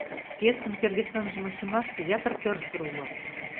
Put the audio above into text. Пьесын кӧргӧ сынжым ончымаште ятыр тӧрсыр уло.